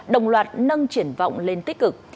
đồng loạt nâng triển vọng lên tích cực